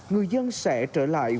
người dân sẽ trở lại